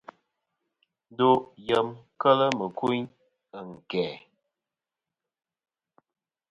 Ndo yem kel mɨkuyn ɨ̀nkæ̀.